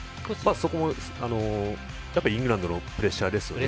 そこもイングランドのプレッシャーですよね。